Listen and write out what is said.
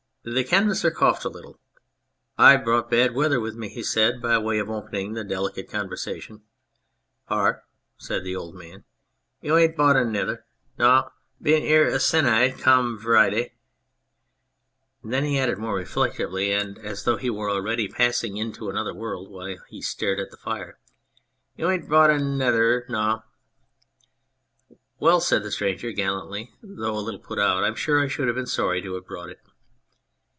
The Canvasser coughed a little. " I've brought bad weather with me," he said, by way of opening the delicate conversation. " Ar !" said the old man. " You ain't brought un nayther ! Naw ... Bin ere a sennight com Vriday ..." Then he added more reflectively, and as 106 The Canvasser though he were already passing into another world, while he stared at the fire :" You ain't brought un nayther ; naw !"" Well/' said the stranger gallantly, though a little put out, "I'm sure I should have been sorry to have brought it."